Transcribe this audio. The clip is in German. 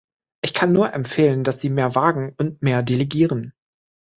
Ich kann nur empfehlen, dass Sie mehr wagen und mehr delegieren.